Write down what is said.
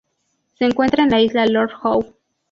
Se encuentra en la Isla Lord Howe.